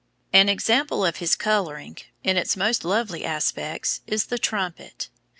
An example of his coloring, in its most lovely aspects, is the Trumpet.